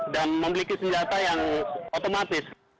dan memiliki senjata yang otomatis